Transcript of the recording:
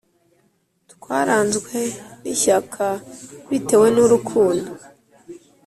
Twaranzwe n’ ishyaka bitewe n’ urukundo .